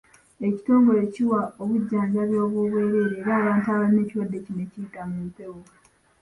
Ekitongole kiwa obujjanjabi obw'obwereere eri abantu abalina ekirwadde kino ekiyita mu mpewo.